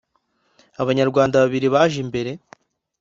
Abanyarwanda babiri baje imbere